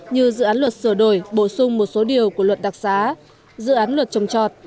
như dự án luật sửa đổi bổ sung một số điều của luật đặc xá dự án luật trồng trọt